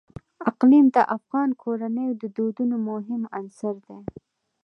اقلیم د افغان کورنیو د دودونو مهم عنصر دی.